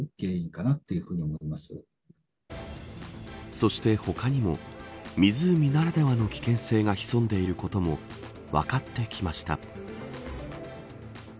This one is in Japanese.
そして他にも湖ならではの危険性が潜んでいることも分かってきました。